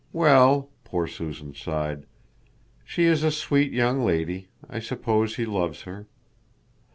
Well," poor Susan sighed, "she is a sweet young lady. I suppose he loves her."